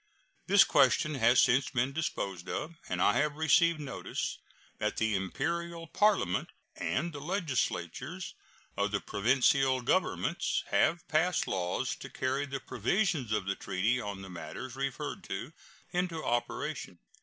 This question has since been disposed of, and I have received notice that the Imperial Parliament and the legislatures of the provincial governments have passed laws to carry the provisions of the treaty on the matters referred to into operation.